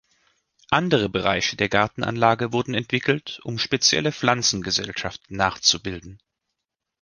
Andere Bereiche der Gartenanlagen wurden entwickelt, um spezielle Pflanzengesellschaften nachzubilden.